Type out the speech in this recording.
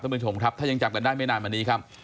ต้องบุญชมครับถ้ายังจับกันได้ไม่นานมานี้ครับ